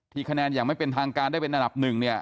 คะแนนอย่างไม่เป็นทางการได้เป็นอันดับหนึ่งเนี่ย